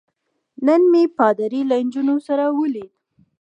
نن مې پادري له نجونو سره ولید.